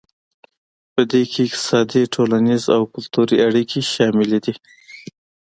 پدې کې اقتصادي ټولنیز او کلتوري اړیکې شاملې دي